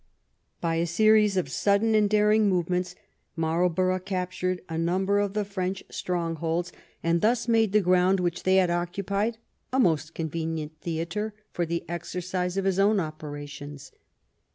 By a series of sudden and daring movements Marl borough captured a number of the French strongholds, and thus made the ground which they had occupied a most convenient theatre for the exercise of his own operations.